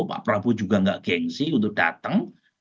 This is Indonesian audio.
pak prabowo juga nggak gengsi untuk datang